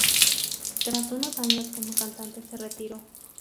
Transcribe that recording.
Tras unos años como cantante, se retiró.